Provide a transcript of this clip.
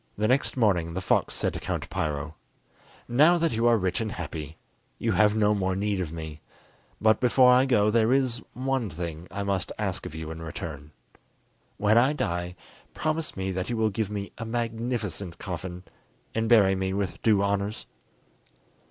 The next morning the fox said to Count Piro: "Now that you are rich and happy, you have no more need of me; but, before I go, there is one thing I must ask of you in return: when I die, promise me that you will give me a magnificent coffin, and bury me with due honours."